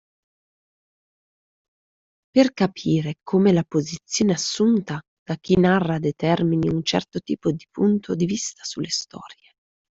Per capire come la posizione assunta da chi narra determini un certo tipo di punto di vista sulle storie.